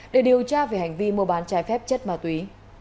để điều tra về hành vi mua bán trái phép chất ma túy